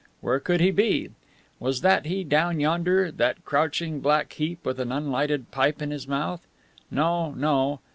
Where could he be? Was that he, down yonder, that crouching black heap with an unlighted pipe in his mouth? No, no.